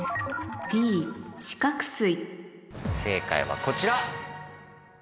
正解はこちら。